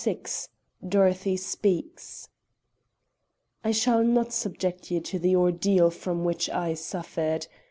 VI DOROTHY SPEAKS I shall not subject you to the ordeal from which I suffered.